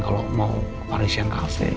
kalau mau ke parisian cafe